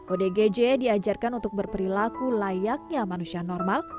odgj diajarkan untuk berperilaku layaknya manusia normal